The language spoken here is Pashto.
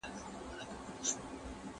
¬ څه لاس تر منځ، څه غر تر منځ.